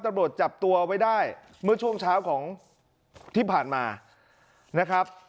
ตำรวจจับตัวไว้ได้เมื่อช่วงเช้าของที่ผ่านมานะครับ